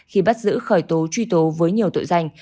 khi bắt giữ khởi tố truy tố với nhiều tội danh